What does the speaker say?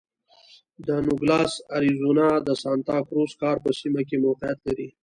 نوګالس اریزونا د سانتا کروز ښار په سیمه کې موقعیت لري.